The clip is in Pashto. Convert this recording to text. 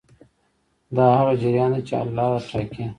دا هغه جریان دی چې حل لاره ټاکي.